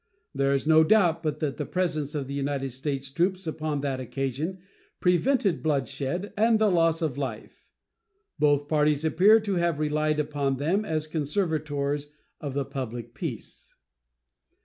There is no doubt but that the presence of the United States troops upon that occasion prevented bloodshed and the loss of life. Both parties appear to have relied upon them as conservators of the public peace.